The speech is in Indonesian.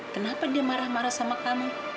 kenapa dia marah marah sama kamu